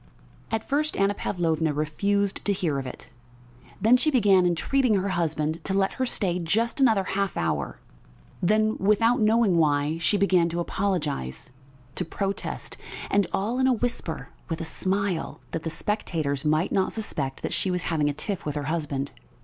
At first Anna Pavlovna refused to hear of it, then she began entreating her husband to let her stay just another half hour; then, without knowing why, she began to apologise, to protest and all in a whisper, with a smile, that the spectators might not suspect that she was having a tiff with her husband.